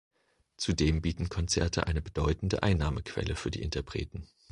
Zudem bieten Konzerte eine bedeutende Einnahmequelle für die Interpreten.